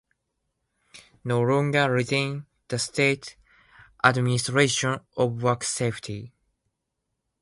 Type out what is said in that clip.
No longer retain the State Administration of Work Safety.